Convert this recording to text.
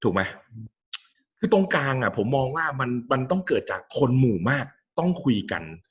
ถูกมั้ยตรงกลางผมมองว่ามันต้องเกิดจากควรหมู่มากต้องคุยกัน